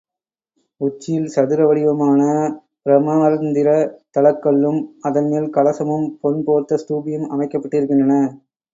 உச்சியில் சதுர வடிவமான பிரமரந்திரத் தளக் கல்லும், அதன் மேல் கலசமும், பொன் போர்த்த ஸ்தூபியும் அமைக்கப்பட்டிருக்கின்றன.